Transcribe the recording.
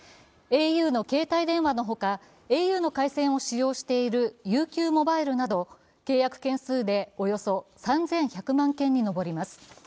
ａｕの携帯電話のほかａｕの回線を使用しているＵＱｍｏｂｉｌｅなど契約件数でおよそ３１００万件に上ります。